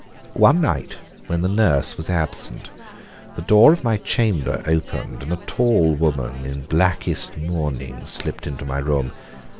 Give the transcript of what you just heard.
One night, when the nurse was absent, the door of my chamber opened, and a tall woman in blackest mourning slipped into the room.